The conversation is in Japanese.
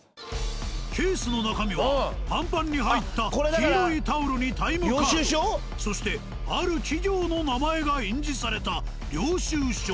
ケースの中身はパンパンに入った黄色いタオルにタイムカードそしてある企業の名前が印字された領収証。